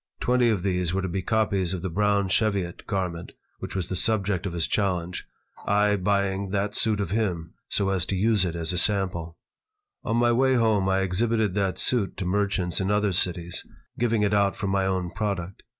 Twenty of these were to be copies of the brown cheviot garment which was the subject of his challenge, I buying that suit of him, so as to use it as a sample On my way home I exhibited that suit to merchants in other cities, giving it out for my own product.